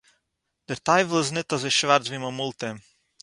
דער טײַוול איז ניט אַזוי שוואַרץ ווי מען מאָלט אים.